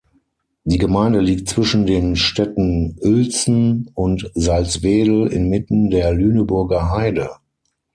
Die Gemeinde liegt zwischen den Städten Uelzen und Salzwedel inmitten der Lüneburger Heide.